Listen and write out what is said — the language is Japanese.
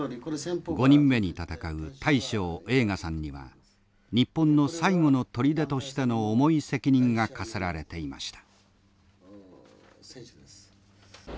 ５人目に戦う大将栄花さんには日本の最後の砦としての重い責任が課せられていました。